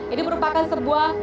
ini merupakan sebuah